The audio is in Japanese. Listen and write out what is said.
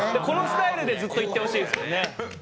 このスタイルでずっといってほしいですね。